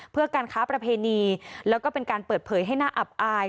เพื่อการค้าประเพณีแล้วก็เป็นการเปิดเผยให้น่าอับอาย